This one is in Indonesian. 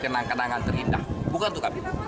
kenangan kenangan terindah bukan untuk kabinet